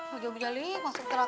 bagaimana ini masuk terang